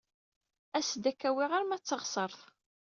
As-d ad k-awyeɣ arma d taɣsert.